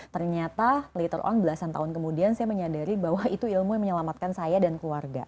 ternyata letter on belasan tahun kemudian saya menyadari bahwa itu ilmu yang menyelamatkan saya dan keluarga